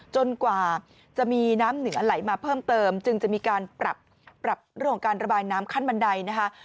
กว่าจะมีน้ำเหนือไหลมาเพิ่มเติมจึงจะมีการปรับเรื่องของการระบายน้ำขั้นบันไดนะคะ